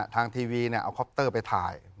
ทางทีวีเนี่ยเอาคอปเตอร์ไปถ่าย